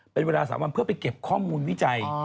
เป็นเวลา๓วันเพื่อไปเก็บข้อมูลวิจัย